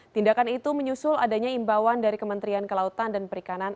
tindakan itu menyusul adanya imbauan dari kementerian kelautan dan perikanan